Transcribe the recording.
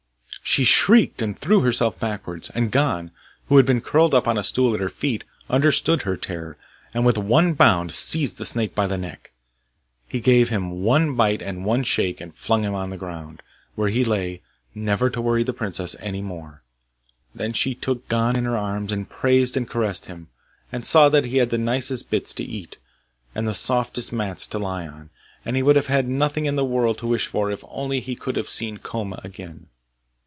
She shrieked and threw herself backwards, and Gon, who had been curled up on a stool at her feet, understood her terror, and with one bound seized the snake by his neck. He gave him one bite and one shake, and flung him on the ground, where he lay, never to worry the princess any more. Then she took Gon in her arms, and praised and caressed him, and saw that he had the nicest bits to eat, and the softest mats to lie on; and he would have had nothing in the world to wish for if only he could have seen Koma again.